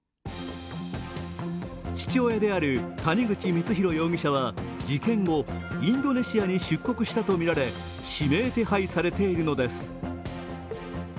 父親である谷口光弘容疑者は事件後インドネシアに出国したとみられ指名手配されているのです。